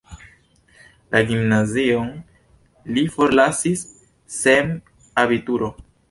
La gimnazion li forlasis sen abituro.